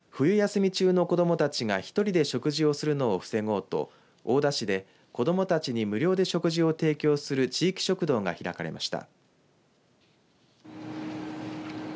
冬休み中の子どもたちが１人で食事をするのを防ごうと大田市で子どもたちに無料で食事を提供する地域食堂が開かれました。